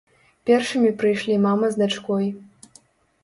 Першымі прыйшлі мама з дачкой.